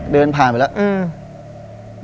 เดินผ่านไปแล้ว